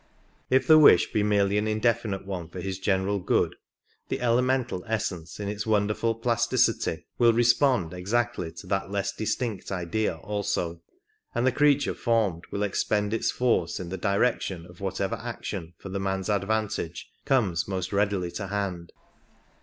If the wish be merely an indefinite one for his general good, the elemental essence in its wonderful plasticity will respond exactly to that less distinct idea also, and the creature formed will expend its force in the direction of whatever action for the man's advantage comes most readily to hand.